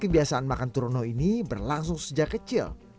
kebiasaan makan turono ini berlangsung sejak kecil